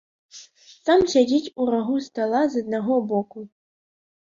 Сам сядзіць у рагу стала з аднаго боку.